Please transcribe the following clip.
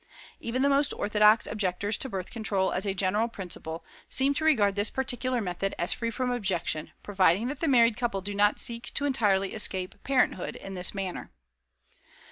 Even the most orthodox objectors to birth control as a general principle seem to regard this particular method as free from objection, providing that the married couple do not seek to entirely escape parenthood in this manner.